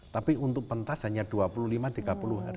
tapi untuk pentas hanya dua puluh lima tiga puluh hari